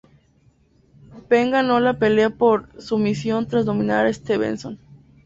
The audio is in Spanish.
Penn ganó la pelea por sumisión tras dominar a Stevenson.